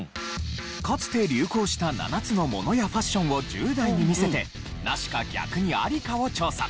かつて流行した７つのものやファッションを１０代に見せてナシか逆にアリかを調査。